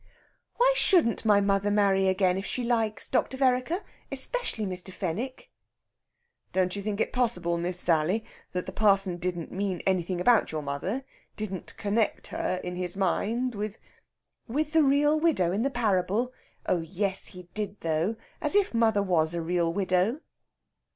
"Why shouldn't my mother marry again if she likes, Dr. Vereker especially Mr. Fenwick?" "Don't you think it possible, Miss Sally, that the parson didn't mean anything about your mother didn't connect her in his mind with " "With the real widow in the parable? Oh yes, he did, though! As if mother was a real widow!"